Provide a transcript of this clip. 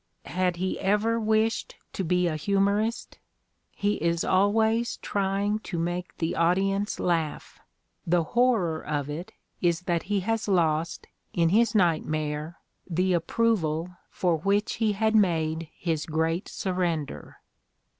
Had he ever wished to be a humorist? He is always "trying to make the audience laugh"; the horror of it is that he has lost, in his nightmare, the approval for which he had made his great surrender.